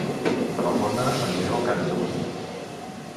Telefona al Lleó Kaddouri.